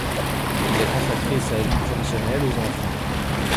Il a consacré sa vie professionnelle aux enfants.